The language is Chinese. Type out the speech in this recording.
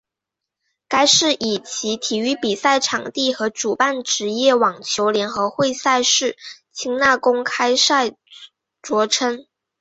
该市以其体育比赛场地和主办职业网球联合会赛事清奈公开赛着称。